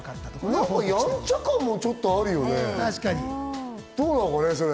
やんちゃ感もちょっとあるよね。